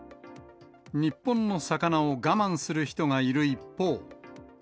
日本の魚を我慢する人がいる一方。